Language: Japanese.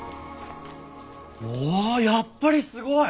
わあやっぱりすごい！